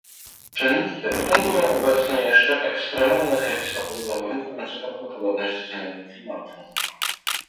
Czynniki te potęgują obecnie jeszcze ekstremalne zjawiska pogodowe wynikające prawdopodobnie ze zmian klimatu